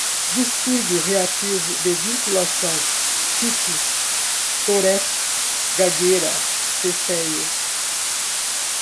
distúrbio reativo de vinculação, tique, tourette, gagueira, ceceio